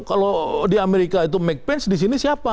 kalau di amerika itu mcpain disini siapa